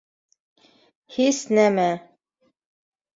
Һис нәмә